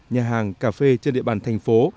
nhà hàng cà phê trên địa bàn thành phố